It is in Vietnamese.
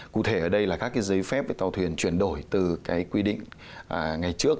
cụ thể ở đây là các giấy phép về tàu thuyền chuyển đổi từ quy định ngày trước